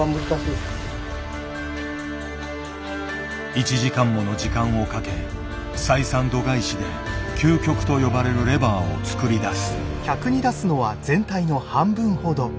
１時間もの時間をかけ採算度外視で究極と呼ばれるレバーを作り出す。